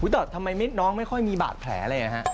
แต่ทำไมน้องไม่ค่อยมีบาดแผลเลยฮะ